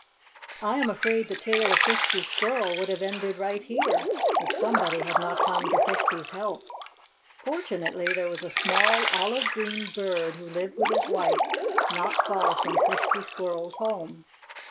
I am afraid The Tale of Frisky Squirrel would have ended right here, if somebody had not come to Frisky's help. Fortunately, there was a small, olive green bird who lived with his wife not far from Frisky Squirrel's home.